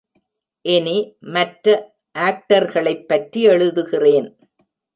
இனி மற்ற ஆக்டர்களைப்பற்றி எழுதுகிறேன்.